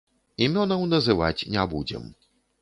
Імёнаў называць не будзем.